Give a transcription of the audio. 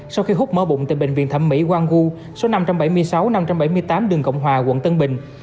sau khi hút mở bụng tại bệnh viện thẩm mỹ gwangwoo số năm trăm bảy mươi sáu năm trăm bảy mươi tám đường cộng hòa quận tân bình